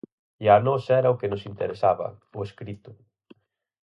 E a nós era o que nos interesaba: o escrito.